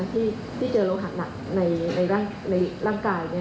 ที่เจอโลหะหนักในร่างกาย